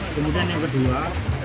kemudian yang kedua